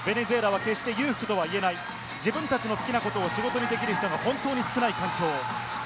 ベネズエラは決していうことは言えない、自分たちの好きなことを仕事にできる人が本当に少ない環境。